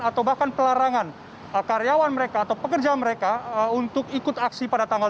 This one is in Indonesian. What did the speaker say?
atau bahkan pelarangan karyawan mereka atau pekerja mereka untuk ikut aksi pada tanggal dua puluh